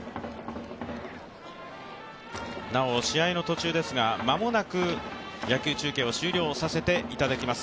なお、試合の途中ですが、間もなく野球中継を終了させていただきます。